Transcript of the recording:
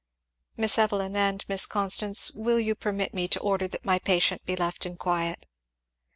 Miss Evelyn, and Miss Constance, will you permit me to order that my patient be left in quiet."